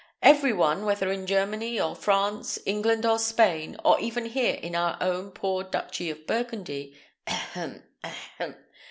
"Every one, whether in Germany or France, England or Spain, or even here in our poor duchy of Burgundy ahem! ahem!